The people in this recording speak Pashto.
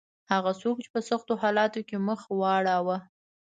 هغه څوک چې په سختو حالاتو کې مخ واړاوه.